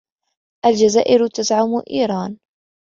الجزائر تزعم إيران.